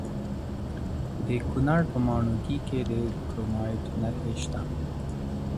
د کونړ په ماڼوګي کې د کرومایټ نښې شته.